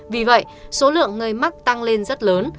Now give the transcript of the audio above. vì vậy số lượng người mắc tăng lên rất lớn